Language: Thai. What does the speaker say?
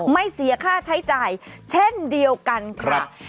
เสียค่าใช้จ่ายเช่นเดียวกันครับ